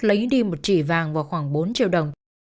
lấy đi một trị vàng vào khoảng bốn triệu đồng